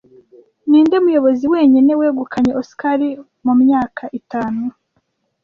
Ninde muyobozi wenyine wegukanye Oscars mu myaka itanu